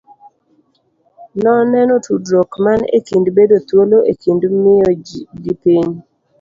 Noneno tudruok man e kind bedo thuolo e kind miyo gi piny.